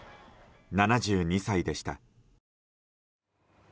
７２歳でした。